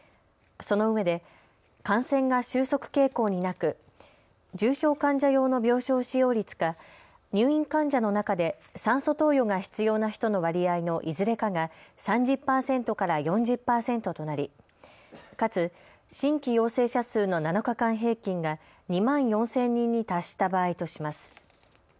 そのうえで、感染が収束傾向になく重症患者用の病床使用率か入院患者の中で、酸素投与が必要な人の割合のいずれかが３０％から４０％となりかつ、新規陽性者数の７日間平均が２万４０００人に達した場合とします。